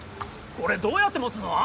これどうやって持つの？